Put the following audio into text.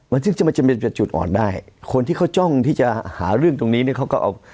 มันจึงมันจะมีแต่จุดอ่อนได้คนที่เขาจ้องที่จะหาเรื่องตรงนี้เนี่ยเขาก็เอา